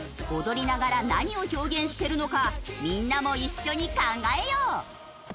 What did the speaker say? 踊りながら何を表現してるのかみんなも一緒に考えよう！